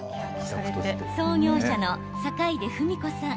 創業者の坂出富美子さん。